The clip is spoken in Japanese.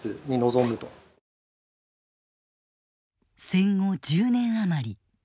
戦後１０年余り。